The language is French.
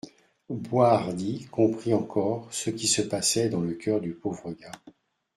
Boishardy comprit encore ce qui se passait dans le coeur du pauvre gars.